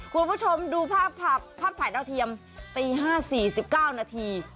คุณผู้ชมดูภาพภาพถ่ายดาวเทียมตี๕๔๙นาที